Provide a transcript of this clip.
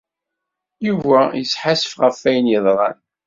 Yuba yesḥassef ɣef wayen i yeḍran.